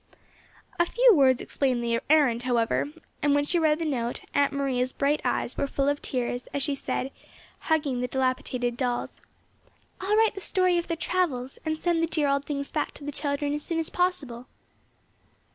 A few words explained the errand, however, and when she read the note Aunt Maria's bright eyes were full of tears as she said, hugging the dilapidated dolls: "I'll write the story of their travels, and send the dear old things back to the children as soon as possible."